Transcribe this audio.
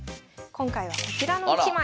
今回はこちらの１枚。